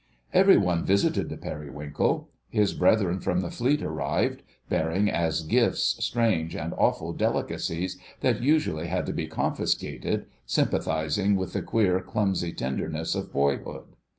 Every one visited the Periwinkle. His brethren from the Fleet arrived, bearing as gifts strange and awful delicacies that usually had to be confiscated, sympathising with the queer, clumsy tenderness of boyhood.